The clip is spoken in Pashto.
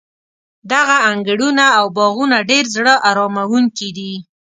دغه انګړونه او باغونه ډېر زړه اراموونکي دي.